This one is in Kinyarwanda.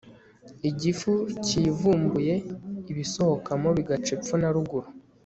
igifu cyivumbuye ibisohokamo bigaca epfo na ruguru